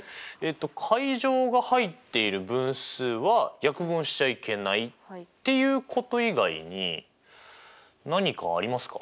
階乗が入っている分数は約分しちゃいけないっていうこと以外に何かありますか？